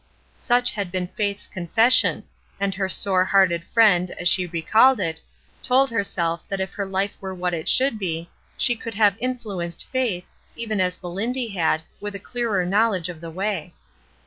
Such had been Faith's confession; and her sore hearted friend, as she recalled it, told her self that if her life were what it should be, she could have influenced Faith, even as Melindy had, with a clearer knowledge of the way.